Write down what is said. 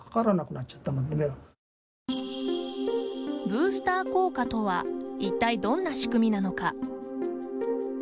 ブースター効果とはいったいどんな仕組みなのか。